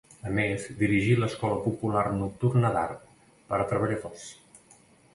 A més, dirigí l'Escola Popular Nocturna d'Art, per a treballadors.